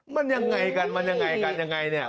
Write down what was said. มันยังไงกันมันยังไงกันยังไงเนี่ย